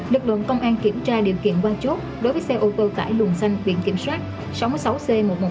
lực lượng công an kiểm tra điều kiện qua chốt đối với xe ô tô tải luồng xanh viện kiểm soát sáu mươi sáu c một mươi một nghìn sáu trăm một mươi hai